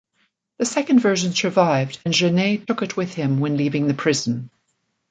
The second version survived and Genet took it with him when leaving the prison.